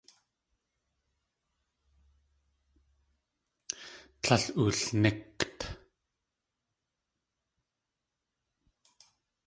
Tlél oolníkt.